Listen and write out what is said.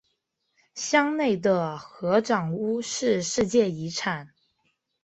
乡内的合掌屋是世界遗产。